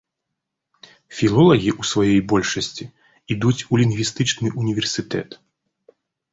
Філолагі ў сваёй большасці ідуць у лінгвістычны ўніверсітэт.